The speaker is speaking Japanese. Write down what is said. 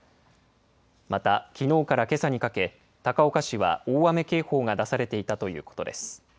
また、きのうからけさにかけ、高岡市は大雨警報が出されていたということです。